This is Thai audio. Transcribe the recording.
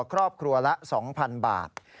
ครอบครัวละ๒๐๐๐บาท